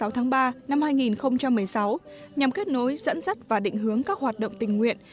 hai mươi tháng ba năm hai nghìn một mươi sáu nhằm kết nối dẫn dắt và định hướng các hoạt động tình nguyện